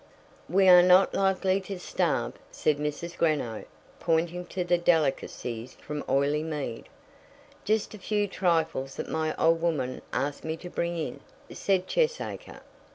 "We are not likely to starve," said Mrs. Greenow, pointing to the delicacies from Oileymead. "Just a few trifles that my old woman asked me to bring in," said Cheesacre.